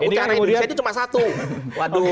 ucara indonesia itu cuma satu